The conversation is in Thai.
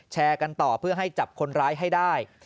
แชร์กันต่อเพื่อให้จับคนร้ายให้ได้